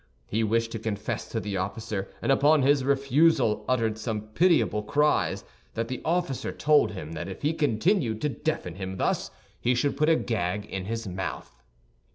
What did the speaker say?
He wished to confess to the officer, and upon his refusal, uttered such pitiable cries that the officer told him that if he continued to deafen him thus, he should put a gag in his mouth.